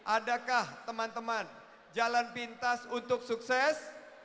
adakah teman teman jalan pintas untuk sukses